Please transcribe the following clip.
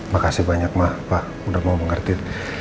makasih banyak mah pak udah mau mengerti